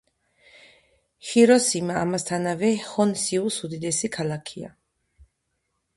ჰიროსიმა ამასთანავე ჰონსიუს უდიდესი ქალაქია.